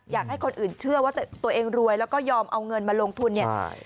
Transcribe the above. อยากให้คนอื่นเชื่อว่าตัวเองรวยแล้วก็ยอมเอาเงินมาลงทุนเนี่ย